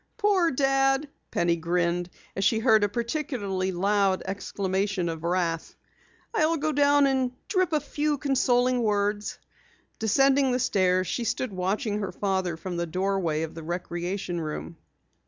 "Poor Dad," Penny grinned as she heard a particularly loud exclamation of wrath. "I'll go down and drip a few consoling words." Descending the stairs, she stood watching her father from the doorway of the recreation room.